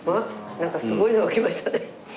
なんかすごいのが来ましたね。